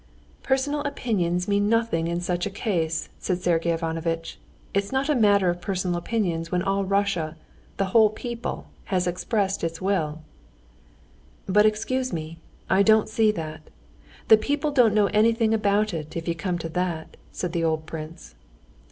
"Personal opinions mean nothing in such a case," said Sergey Ivanovitch; "it's not a matter of personal opinions when all Russia—the whole people—has expressed its will." "But excuse me, I don't see that. The people don't know anything about it, if you come to that," said the old prince.